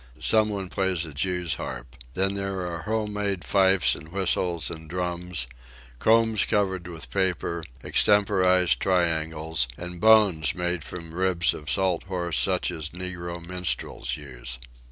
Someone plays a jew's harp. Then there are home made fifes and whistles and drums, combs covered with paper, extemporized triangles, and bones made from ribs of salt horse such as negro minstrels use.